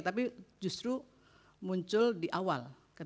tapi justru muncul di awal ketika proses orang orang